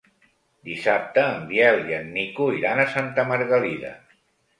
Dissabte en Biel i en Nico iran a Santa Margalida.